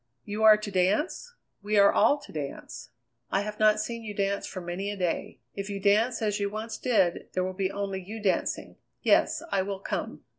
"You are to dance?" "We are all to dance." "I have not seen you dance for many a day. If you dance as you once did there will be only you dancing. Yes, I will come."